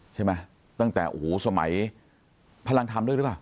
ใช่ไหมตั้งแต่โอ้โหสมัยพลังธรรมด้วยหรือเปล่า